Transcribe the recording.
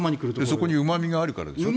そこにうまみがあるからでしょ。